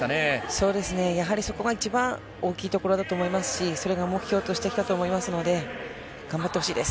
そうですね、やはりそこが一番大きいところだと思いますし、それが目標としてきたと思いますので、頑張ってほしいです。